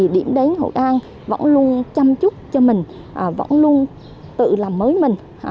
điểm đến hội an vẫn luôn chăm chúc cho mình vẫn luôn tự làm mới mình